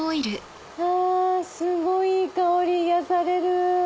すごいいい香り癒やされる。